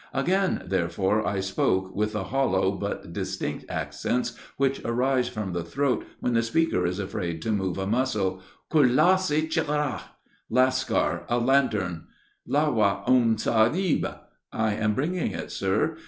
Again, therefore, I spoke with the hollow but distinct accents which arise from the throat when the speaker is afraid to move a muscle: "Kulassi Chiragh!" Lascar, a lanthorn! "Latah own Sahib." I am bringing it, sir.